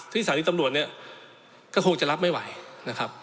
สถานีตำรวจเนี่ยก็คงจะรับไม่ไหวนะครับ